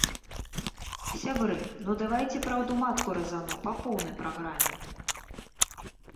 Сябры, ну давайце праўду-матку разану па поўнай праграме.